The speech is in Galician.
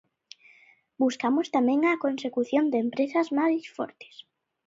Buscamos tamén a consecución de empresas máis fortes.